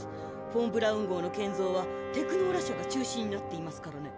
フォン・ブラウン号の建造はテクノーラ社が中心になっていますからね。